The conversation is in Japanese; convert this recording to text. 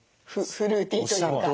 フルーティーというか。